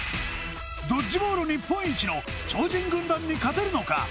ドッジボール日本一の超人軍団に勝てるのか？